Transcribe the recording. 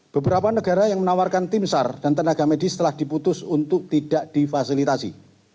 beberapa negara yang menawarkan tim sar dan tenaga medis telah diputus untuk tidak difasilitasi